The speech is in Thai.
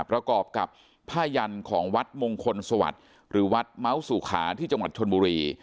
ประกอบกับผ้ายันของวัดมงคลสวัสดิ์หรือวัดเมาส์สุขาที่จังหวัดชนบุรี